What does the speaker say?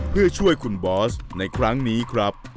เพื่อช่วยคุณบอสในครั้งนี้ครับ